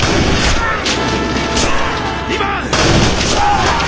２番！